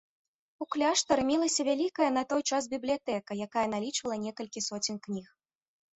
У кляштары мелася вялікая на той час бібліятэка, якая налічвала некалькі соцень кніг.